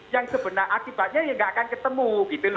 yang sebenarnya akibatnya ya nggak akan ketemu gitu loh